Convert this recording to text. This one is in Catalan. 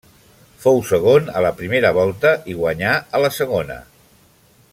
Fou segon a la primera volta i guanyà a la segona.